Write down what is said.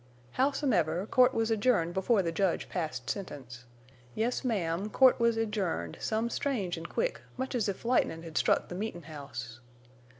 Howsomever, court was adjourned before the judge passed sentence. Yes, ma'm, court was adjourned some strange an' quick, much as if lightnin' hed struck the meetin' house.